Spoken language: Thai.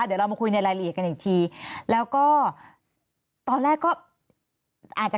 เดี๋ยวเรามาคุยในรายลิตกันอีกทีแล้วก็ตอนแล้งก็อาจจะ